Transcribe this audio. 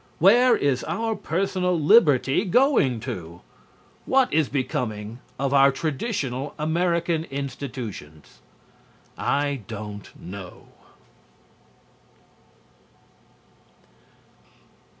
Where is our personal liberty going to? What is becoming of our traditional American institutions? I don't know.